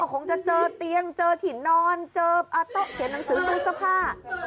เขาคงจะเจอเตียงเจอถิ่นนอนเจอโต๊ะเห็นหนังสือตู้สภา